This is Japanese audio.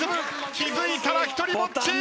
気付いたら独りぼっち。